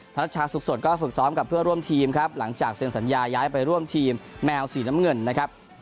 รัชชาสุขสดก็ฝึกซ้อมกับเพื่อนร่วมทีมครับหลังจากเซ็นสัญญาย้ายไปร่วมทีมแมวสีน้ำเงินนะครับ